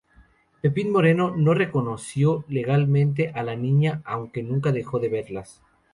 Pepín Moreno no reconoció legalmente a la niña, aunque nunca dejó de verlas.